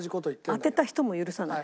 当てた人も許さない。